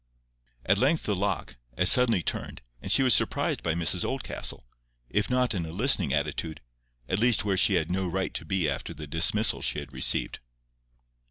At length the lock—as suddenly turned, and she was surprised by Mrs Oldcastle, if not in a listening attitude, at least where she had no right to be after the dismissal she had received.